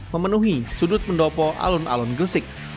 memenuhi sudut pendopo alun alun gresik